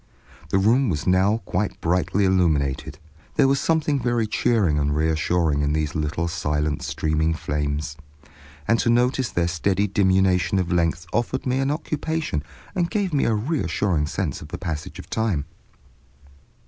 The room was now quite brightly illuminated. There was something very cheering and reassuring in these little silent streaming flames, and to notice their steady diminution of length offered me an occupation and gave me a reassuring sense of the passage of time.